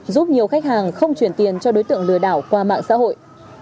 giúp nhiều khách hàng không chuyển tiền cho đối tượng lừa đảo qua mạng xã hội